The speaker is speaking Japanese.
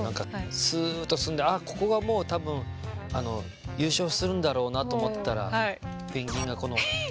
スッと進んでああここがもう多分優勝するんだろうなと思ったらペンギンがおなかを使ってね。